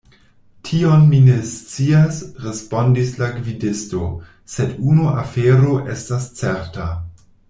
Tion mi ne scias, respondis la gvidisto; sed unu afero estas certa.